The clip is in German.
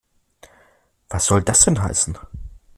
Was soll das denn heißen?